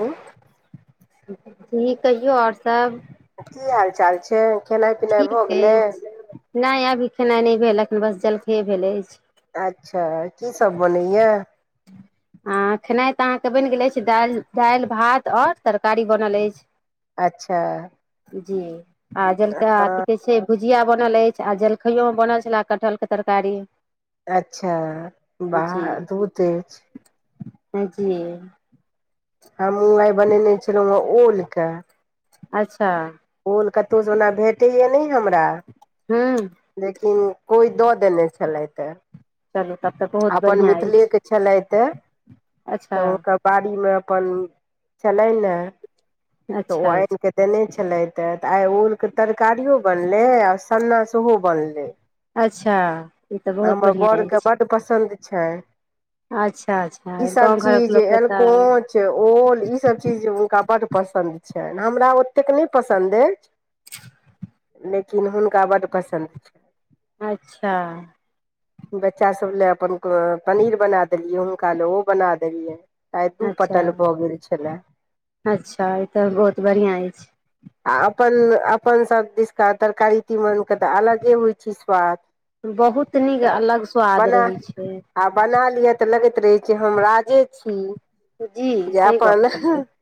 हूँ, [unintelligible] की कहियौ और सब की हाल चाल छै खेनाइ पिनाइ भऽ गेलै नै अभी खेनाइ नै भेल एखन बस जलखैए भेल ऐछ अच्छा की सब बनै यऽ [unintelligible] आ खेनाइ तऽ अहाँकेँ बैन गेल ऐछ दैल दाइल भात और तरकारी बनल ऐछ अच्छा [inaudible] जी आ जलकरा हँ की कहै छै भुजिया बनल ऐछ आ जलखैयो में बनल छलै कटहल कऽ तरकारी अच्छा जी बाह दूध ऐछ [unintelligible] हमहुँ आए बनेने छलौ है ओल कऽ अच्छ ओल कतौ स ओना भेटैए नै हमरा [unintelligible] लेकिन कोइ दऽ देने छलैत है चलू तब तऽ भो अपन मिथिलेकेँ छलैथ तऽ [inaudible] तऽ हुनका बाड़ी में अपन छलैन है अच्छा तऽ ओ अच्छा आन केँ देने छलैत तऽ आइ ओल कऽ तरकारियो बनलै आ सन्ना सेहो बनलै अच्छा ई तऽ बहुत हमर बढ़िआँ बड़के ऐछ बड्ड पसन्द छै अच्छा [inaudible] ई अच्छा सब गाँव घरक चीज लोकके तऽ एलकोच छै ओल ई सब चीज हुनका बड पसन्द पसंद छैन हमरा ओते नै पसंद ऐछ लेकिन हुनका बड पसंद अच्छा बच्चा सभ लए अपन पनीर बना देलियै हुनका लऽ ओ बना देलियै आइ दू अच्छा पटल भऽ गेल छलै अच्छा ई तऽ बहुत बढ़िया है छै आ अपन अपन सभ दिशका तरकारी तीमन केँ तऽ अलगे होइ छै स्वाद बहुत नीक तऽ अलग स्वाद बना रहै छै आ बना लिया तऽ लागेत रहे छै जे हम राजे छी जी [inaudible] जे सही गप अपन कहलियै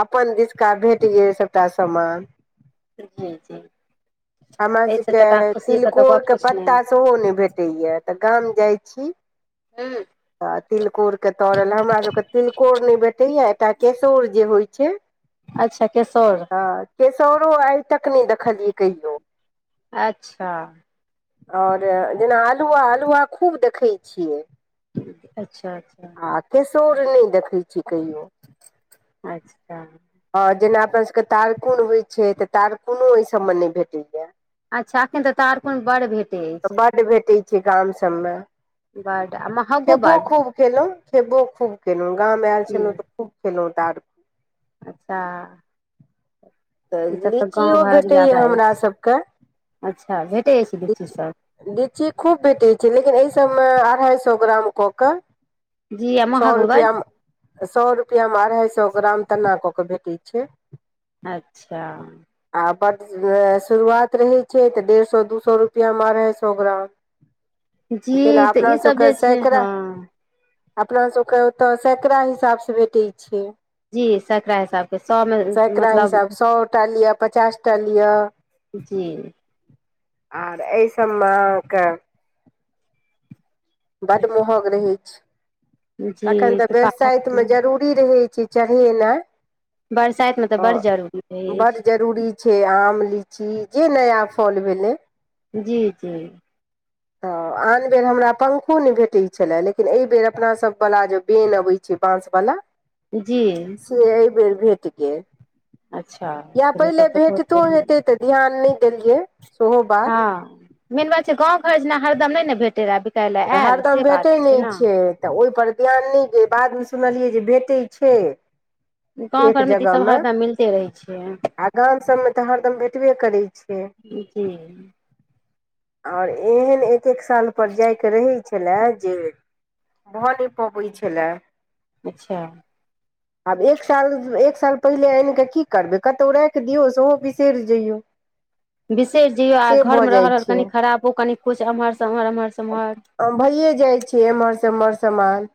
अपन दिसका भेट गेल सबटा समान जी जी [inaudible] हम सब एहिसँ जादा केँ खुशीके तऽ तिलकोर गप कऽ किछु नहि पत्ता तो नै भेटे यऽ तऽ गाम जाइ छी हूँ [inaudible] आ तिलकोर कऽ तरल हमर सब केँ तिलकोर नै भेटे यऽ ता केशेर जे होइ छै अच्छ केशोर हऽ केशोर आइ तक नै देखलिये कहियो अच्छ और जेना अल्हुआ अल्हुआ खूब देखेय छियै अच्छ अच्छ आ केशोर ने देखेय छी कहियो अच्छा ह जेना अपन सबके तारकुन होइ छे त तारकुनो ऐ सबमे ने भेटेया अच्छा ऐखन त तारकुन बड़ भेट त बड्ड भेटे छे गाम सभ में बड्ड आ महगो खेबो बड्ड खूब केलो खेबो खूब खेलो गाम मे आयल जी छे लो त खूब खेलो त अच्छा त ई सब तऽ लिची यो गाँव घरक भेटे ज्यादा या हमरा अछि सबके अच्छा भेटै अछि लीची लिच सब लिची खूब भेटे छे लेकिन ऐ सभ मे अढ़ाई सए ग्राम क के जी आ सौ महग रुपया बड्ड में सौ रुपया में अढ़ाइ स ग्राम तना क के भेटे छे अच्छा आ बड शुरुआत रहे छे त डेढ़ सौ दू सौ रुपया मे अढ़ाइ स ग्राम जी तेना तऽ अपना ई सब के जे छै सेकरा हँ अपना सबके ओता सेकड़ा हिसाब स भेटे छै जी सकरा हिसाबके सएमे सेकड़ा मतलब हिसाब स सौ टा लिअ पचास टा लिअ जी आर ऐ सब मे अहाँ के बड मोहग रहे जी तखन त तऽ बरसाइत पहाड़ मे जरूरी रहे छै चढ़ेनाइ बरसाइत मे त बड्ड तऽ जरूरी रहे बड छै जरूरी छै आम लिची जे नया फल भेले जी जी त आन बेर हमरा पंखो ने भेटे त छला लेकिन ऐ बेर अपना सब वना जे बैन अबै छै बाँंस वाला जी से ऐ बेर भेटगेल अच्छा ते तब त बहुत भेटतो बढ़िया हेतै तऽ ध्यान ने दे लिये सेहो बात ह मेन बात छै गाँं घर जेना हरदम नय ने भेटे रहा हरदम भेटैत नय छै तऽ ओय पर ध्यान नय दै बाद मे सुनलियै जे भेटै छै गाँंव एक घर मे तऽ ई जगह सब हरदाम मिलते रहै छै आ गाम सभमे तऽ हरदम भेटबे करै छै जी ओर एहन एक एक साल पर जाय के रहेत छलै जे भ नै पबै छल लाय अच्छा अब एक साल एक साल पहिले अएन क की करबे कतहु राख दियो से हो बिसेर जियो अहहृ [inaudible] बिसे जइयो आ घर मे रहल कनी खराबो कनि कुछ एम्हर से एम्हर एम्हर से एम्हर हा भइऐ जाइ छे एम्हर से एम्हर सामान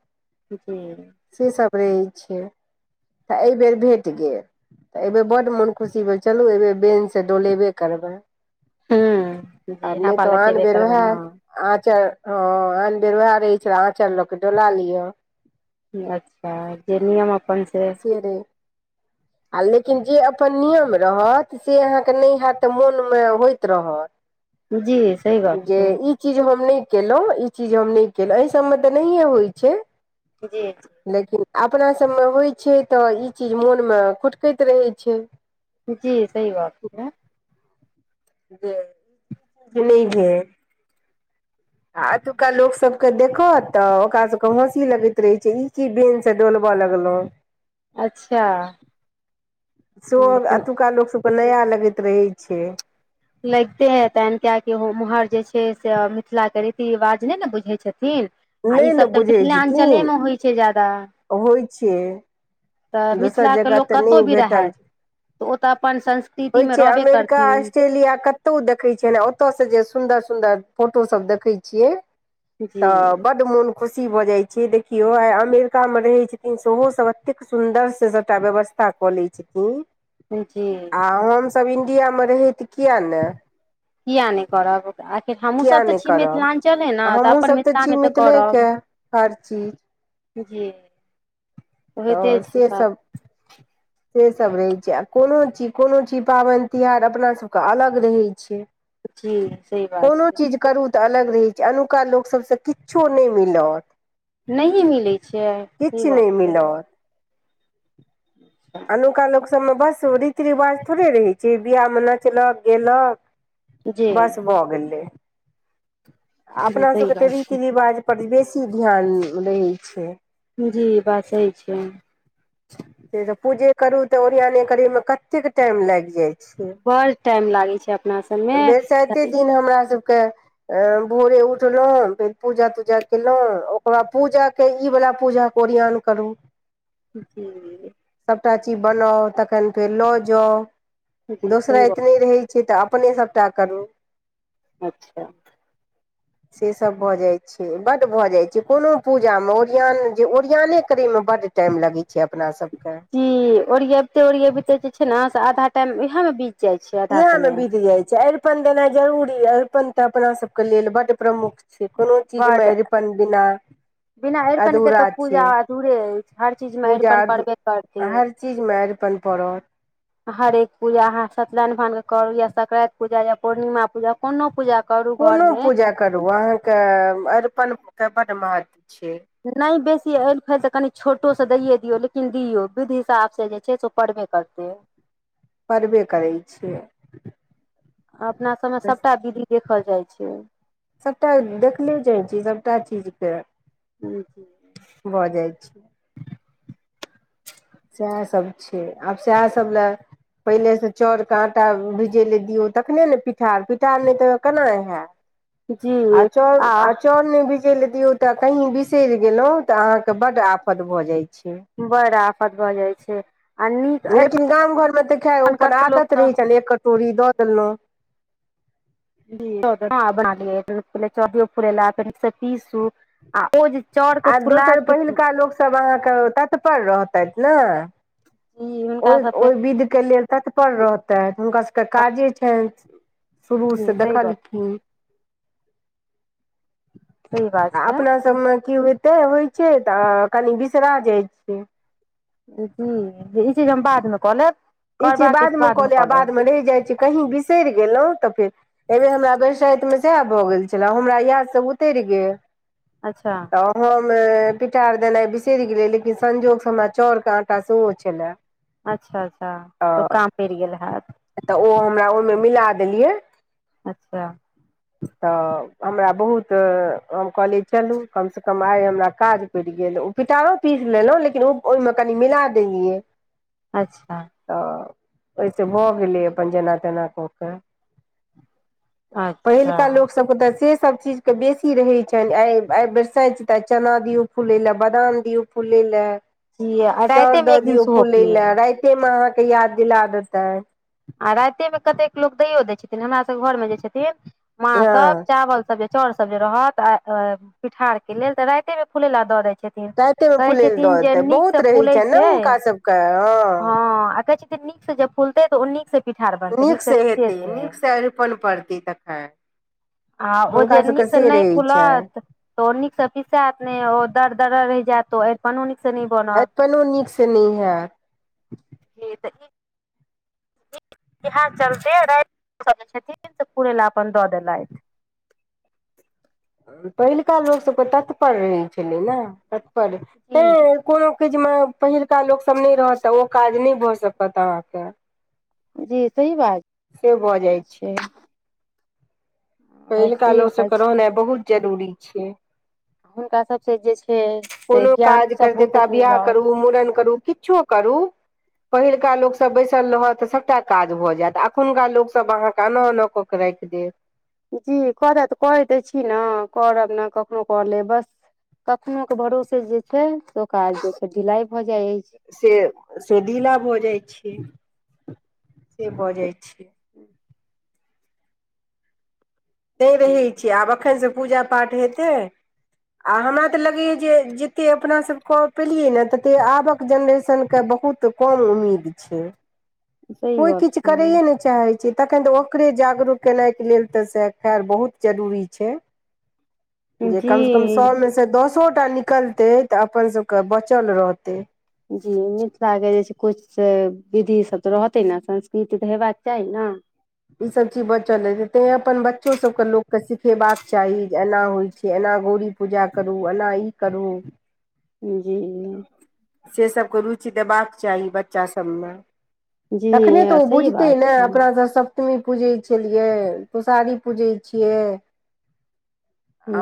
जी से सब रहै छै त ऐ बेर भेट गेल तऽ यबे बड मन खुशी भेल चलू अ एहिबे बैन स डोलेबे करबै हूँ कर जी नय हवा तो आन लगेबे बेेर करबै ओहे ने आँचर हँ आन बेर उएह रहै छै आँचर ल के डोला लिअ अच्छा जे नियम अपन से पेरै आ लेकिन जे अपन नियम रहत से अहाँके नय हैत तऽ मोनमे होइत रहत जी सही गप जे छै ई ई चीज हम नय केलौं ई चीज हम नय केलौं एहि सबमे तऽ नहियें होइ छै जी लेकिन अपनासभमे होइ छै तऽ ई चीज मोनमे खुटकैत रहै छै। जी सही बात छै। जे नय भेल आ एतुका लोक सब के देखत तऽ ओकरा सब के हँसी लगैत रहे छै ई की बेंच दोलब लगलो अच्छा सोहो अब लेकिन एतुका लोकसभके नया लगैत रहै छै लगिते हेतैन कियेकि ओम्हर जे छै से मिथिलाके रीति रिवाज नय ने बुझै छथिन आ नहि ने ईसभ तऽ बुझै छथिन मिथिलाञ्चलेमे होइ छै ज्यादा होइ छियै तऽ दोसर मिथिलाके जगह लोक तऽ नय कतहु भी भेटल रहथि तऽ ओ तऽ अपन होइ संस्कृतिमे छै रहबे अमेरिका करथिन ऑस्ट्रेलिया कत कतहु देखै छियै ने ओतय से जे सुंन्दर सुंन्दर फोटो सब देखै छियै जी तऽ बड्ड मोन खुशी भऽ जाइ छै देखियौ आइ अमेरिका मे रहै छथिन से ओहो सब एतेक सुन्दर से सबटा व्यवस्था कऽ ले छथिन जी आ हम सब इंडिया मे रहै तऽ किये नय। किये नय करब। आखिर हमहूँ किया सभ तऽ नहि छी करब मिथिलाञ्चले ने तऽ हमहूँ अपन सब छी मिथिलामे तऽ करब मिथिलेके हर चीज जी तऽ होइते छै सभ सेसभ सेसभ रहै छै आ कोनो चीज कोनो चीज पाबनि तिहार अपनासभके अलग रहै छै। जी सही बात कोनो छै चीज करू तऽ अलग रहै छै अनुका लोक सबसँ किछो नय मिलत नहिए मिलै छै सहि किछु नहि बात छै [inaudible] [inaudible] अनुका लोकसभमे बस रीति रिवाज थोड़े रहै छै बियाहमे नचलक गेलक जी बस भऽ गेलै जी अपना सही सब के बात त छै रीति रिवाज पर बेसी ध्यान रहै छै जी बात सही छै से त पूजे करू तऽ ओरियान करे मे कते के टाइम लागि जाय बड़ टाइम लागै छै अपना सबमे बरसाइते दिन हमरा सबके भोरे उठलौं फेर पूजा तूजा केलहुँं ओकर बाद पूजा के ई वाला पूजा क ओरियान करू जी सबटा चीज बनाउ तखन फेर लो जाउ जी सही दोसराइत बात ने रहे छी तऽ अपने सभटा करू। अच्छा से सभ भऽ जाइत छै बड्ड भऽ जाइत छै कोनो पूजा मे ओरआन जे ओरियने करय मे बड्ड टाइम लगे छै अपना सब के जी ओरियाबते ओरियाबते जे छै ने से आधा टाइम इएह मे बी इएह मे बीत जाइ छै आ न देना जरुरी अरिपन तऽ अपना सब के लेल बड प्रमुख छी कोनो चीज मे बड पन बिना बिना अरिपन के तऽ अधूरा छै पूजा अधुरे अछि हर चीज में पूजा अरिपन पड़बे करते हर चीज मे अरिपन पड़त हरेक पूजा अहाँ सत्य नारायण भगवान के करू या सक्रांति पूजा या पूर्णिमा पूजा कोनो पूजा करू घर कोनो मे पूजा करू अहाँके अरिपन के बड महत्व छै नय बेसी एयल फैल तऽ कनि छोटो सँ दैए दियौ लेकिन दियौ विध हिसाब सँ जे छै से पढ़वे करते परबे करै छै अपना सब मे सबटा विधि देखल जाइ छै सभटा देखले जाइ छै सभटा चीज के [inaudible] भऽ जाइ छी सएहे सभ छै आब सएहे सभ लए पहिले सँ चाउर के आँटा भीजै लए दियौ तखने ने पिठार पिठार नय तऽ केना हैत आ चौर आ चौर ने बी पिसैले दियौ तऽ कहीं बिसरि गेलहुँ तऽ अहाँके बड आफत भऽ जाइ छै बड़ा आफ आफ भ लेकिन गाम घर मे तऽ खै ओ अपन कते लोक आदत तऽ रहैत छल एक कटोरी दऽ देलहुँ [unintelligible] पीसू आ ओ जे चाउर आ के फुला दोसर के पहिलका लोक सभ अहाँके तत्पर रहतैत ने ई ओ हुनका सबके ओ विध के लेल तत्पर रहतैत हुनका सभके काजे छनि शुरू से जी सही गप देखलखिन छै सही बात आ छै अपना सभमे की होइते होइत छै तऽ कनि बिसरा जाइत छै जी कि ई चीज हम बाद मे कऽ लेब ई चिज करबाक अछि बाद मे क बादमे लेब आ कऽ बाद मे रहि जाइ छै कही बिसरि गेलहुँ तऽ फेर एहिबेर हमरा बरसाइत मे सैह भऽ गेल छले हमरा याद सब उतरि गेल अच्छा तऽ हम पिठार देनाइ बिसरि गेलिए लेकिन संजोग सँ हमरा चाउर के आँटा सेहो छलए अच्छा अच्छा तऽ काँम पड़ि गेल हैत तऽ ओ हमरा ओहिमे मिला देलियै अच्छा [inaudible] तऽ हमरा बहुत हम कहलियै चलू कम सँ कम आइ हमरा काज पैर गेल ओ पिटारो पीस लेलहुं लेकिन ओहिमे कनि मिला देलैऐ अच्छा। तऽ ओहिसँ भऽ गेलै अपन जेना तेना कऽ कऽ अच्छा पहिलका लोक तऽ से सभ चीज के बेसी रहै छनि आ आई बरसाइत तऽ चना दियौ फूले ले बादाम दियऔ फूले ले की आ चाउर रातिमे दऽ एक दिन दियऔ सेहो फूले की ले राति मे अहाँकेँ याद दिल देताै। आ राति मे कतेक लोकोग दैयो दय छथिन हमरा सभ घर मे जे छथिन मा हँ सभ चावल सभ। चौउर सभ जे रहत आ पिठार के लेलऽ तऽ रााते मे फूले ला दय छै। राइते मे कहै फुलै लए दऽ छथिन जे देतै बहुत नीकसँ रहै फुलै छनि छै ने हुनका सबके हँ ह आ कहै छथिन। नीक से जब फुलतैऽ उन नीक। से पीठर नीकसँ हेती नीकसँ अरिपन पड़ती तखन। ओ हुनका जन्नी सबके सेन से नहि रहै छै फुलत। तऽ ओ नीक से पिसायत ने ओ दर दर रहि जायत अरिपनो नीक से। एखनो नीक से नहि होयत। से तऽ। इहा चलते राति छथिन से कड़े लऽ अपन दऽ देलथि। पहिलुका लोक सभके तत्पर रहैत छलै ने तत्पर तै। जी कोनो कीज मे पहिलका लोक सभ नहि रहत ओ काज नहि भए सकत अहाँकेँ। जी सही बात से भऽ जाए छै। पहिलका सही ओ बात सबके छै रहनाई बहुत जरूरी छैय। हुनका सभसँ जे छै। से कोनो ज्ञान काज सब करतै तऽ बहुतेक बआह मिलत करू मूड़न करू किछो करू। पहिलका लोकसभ बैसल रहत तऽ सभटा काज भऽ जायत एखुनका लोकसभ अहाँकेँ एना ओना कऽ। करेके दे। जी करब कर तऽ छी ने करब ने कखनो कर लेब बस। कखनो के भरोसे जे छै से आ काज जे छै ढिलाई भऽ जाय अछि छै। से सेदीला भऽ जाई छै से भऽ जाई छै। ह। नहि रहे अछि छियै आब एखन से पूजा पाठ हेतै। आ हमरा तऽ लगैया जे जते अपना सभ कऽ पेलियै ने तते आबकऽ जेनरेशनक के बहुत। तऽ कम उम्मीद छै सही कोई गप किछ छै करैए नहि। चाहै छी तखन तऽ ओकरे जागरू कऽ केनाई के लेल तऽ से। खैर बहुत जरूरी छै जे कऽ जी से दसोटा निकलते तऽ अपन सभके बचल रहतै। जी मिथिलाके जे छै किछ विधि सभ तऽ रहतै ने संस्कृत तऽ हेबाक चाही ने। ईसभ चीज बचल रहैत छै तै अपन बच्चो सभके लोकके सिखेबाकऽ चाही जे एना होइत। से एना गौड़री पूजा करू एना इ करू। जी। से सभके रुचि देबाक चाही बच्चासभमे। जी तखने तो ओ सही बुझते बात ने छै अपना सभ। पटमी पूजैत छलियै तुसारी पूजै छिये।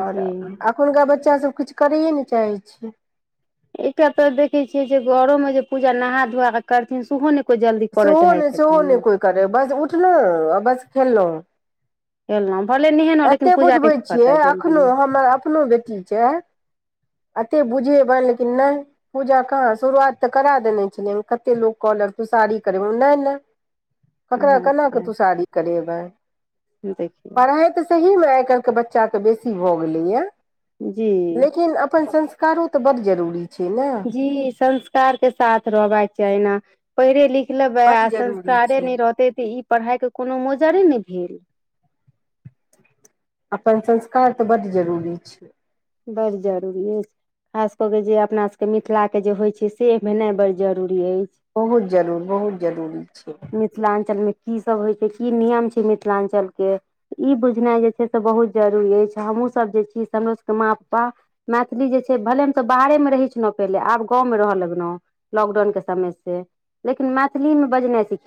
ओर एखुनका बच्चा सभ किछु करैए ने चाहैत छी। एकटा पर देखे छियै जे घरो मे जे पूजा नहा धोआ कऽ करथिन सेहो ने। सेहो नहि सेहो नहि कोई करै बस उठलहुँ आ बस खेलहुँ। हेल पले नै हँ। एते कऽ बुझबै छियै एखनोहु हमर अपनो बेटी छै। एतेक बुझिएबनि लेकिन नहि। पूजा कहाँ शुरुआत तऽ करा देने छलिय कतेक लोक कहल तुषारी करे नय नय। उकरा केना कऽ अच्छा तू साड़ी करेबै देखियौ पढ़े। सहिमे आइ काल्हि के बच्चा के बेसी भऽ गेलैये जी लेकिन अपन संस्। कारो तऽ बड्ड जरूरी छै ने जी संस्कार के साथ रहबाक चाहि ने। पढ़ि लिख लेबै बड्ड आ जरूरी संस्कारे छै नय रहतै तऽ ई पढ़ाइके कोनो मजरे नय भेल। अपन संस्कार तऽ बड्ड जरूरी छै। बड़ जरूरी अछि। खास कऽ के जे अपनासभके मिथिलाके जे होइत छै से भेनाइ बड्ड जरूरी अछि। बहुत जरूर बहुत जरूरी छै। मिथिलाञ्चलमे की सब होइ छै की नियम छै मिथिलाञ्चलके। ई बुझनाइ जे छै से बहुत जरूरी अछि हमहूँ सभ जे छी से हमरो सभके माँ पप्पा। मैथिली जे छै भले हम तऽ बाहरेमे रहै छलौं पहिले आब गाँवमे रहय लगलौं। लॉकडाउन के समय से लेकिन मैथिलीमे बजनाइ सिख।